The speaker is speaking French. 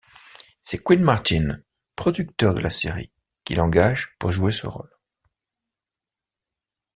C'est Quinn Martin, producteur de la série, qui l'engage pour jouer ce rôle.